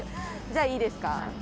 じゃあいいですか？